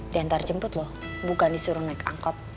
diantar jemput loh bukan disuruh naik angkot